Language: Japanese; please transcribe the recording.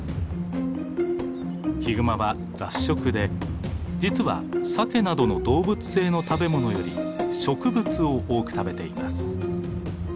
ヒグマは雑食で実はサケなどの動物性の食べ物より植物を多く食べています。